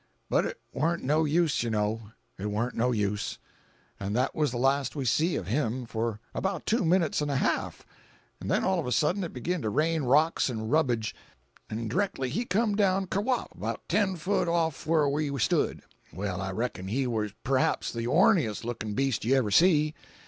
But it warn't no use, you know, it warn't no use. An' that was the last we see of him for about two minutes 'n' a half, an' then all of a sudden it begin to rain rocks and rubbage, an' directly he come down ker whop about ten foot off f'm where we stood Well, I reckon he was p'raps the orneriest lookin' beast you ever see.